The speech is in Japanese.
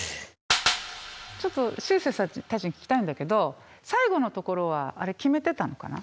ちょっとしゅうせいさんたちに聞きたいんだけど最後のところはあれ決めてたのかな？